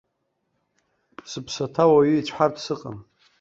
Сыԥсаҭа уаҩы ицәҳартә сыҟам.